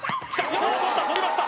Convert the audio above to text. おお取った取りました